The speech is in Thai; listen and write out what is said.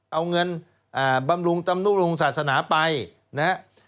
เอาเงินบำรุงตำนุรุงศาสนาไปนะครับ